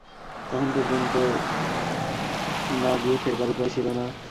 তখন শেষ পর্যন্ত না গিয়ে ফেরবার উপায় ছিল না।